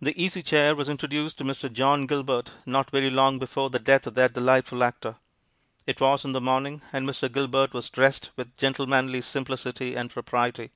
The Easy Chair was introduced to Mr. John Gilbert not very long before the death of that delightful actor. It was in the morning, and Mr. Gilbert was dressed with gentlemanly simplicity and propriety.